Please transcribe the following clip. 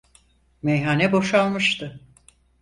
Meyhane boşalmıştı.